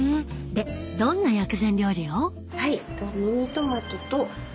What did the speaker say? でどんな薬膳料理を？